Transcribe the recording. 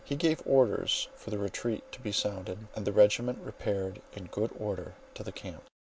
He gave orders for the retreat to be sounded, and the regiments repaired in good order to the camp.